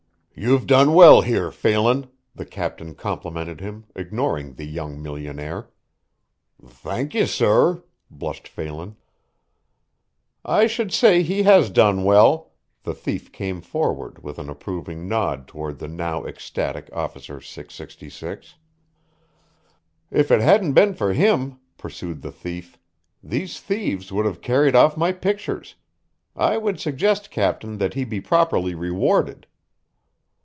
"You've done well here, Phelan," the captain complimented him, ignoring the young millionaire. "Thank ye, sorr," blushed Phelan. "I should say he has done well." The thief came forward, with an approving nod toward the now ecstatic Officer 666. "If it hadn't been for him," pursued the thief, "these thieves would have carried off my pictures. I would suggest, captain, that he be properly rewarded."